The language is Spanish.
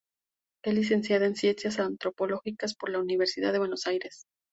Es licenciada en Ciencias Antropológicas por la Universidad de Buenos Aires.